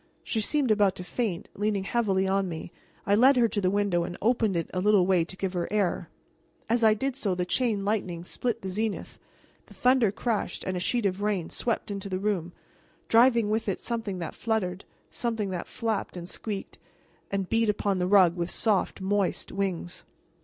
She seemed about to faint, leaning heavily on me, and I led her to the window and opened it a little way to give her air. As I did so the chain lightning split the zenith, the thunder crashed, and a sheet of rain swept into the room, driving with it something that fluttered something that flapped, and squeaked, and beat upon the rug with soft, moist wings.